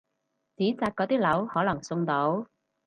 紙紮嗰啲樓可能送到！